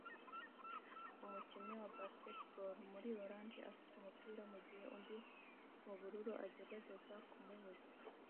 Umukinnyi wa basketball muri orange afite umupira mugihe undi mubururu agerageza kumubuza